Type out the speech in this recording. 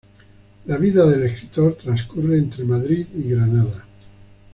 La vida del escritor transcurre entre Madrid y Granada.